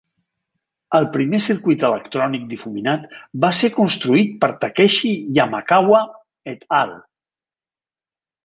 El primer circuit electrònic difuminat va ser construït per Takeshi Yamakawa "et al.